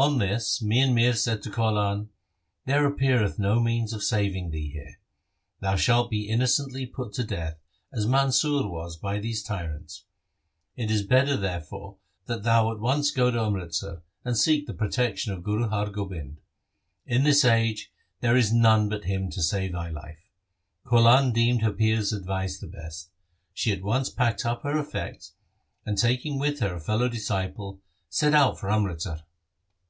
On this Mian Mir said to Kaulan :' There appeareth no means of saving thee here. Thou shalt be innocently put to death, as Mansur was by these tyrants. 1 It is better, therefore, that thou at once go to Amritsar and seek there the protection of Guru Har Gobind. In this age there is none but him to save thy life.' Kaulan deemed her Pir's advice the best. She at once packed up her effects, and taking with her a fellow disciple, set out for Amritsar.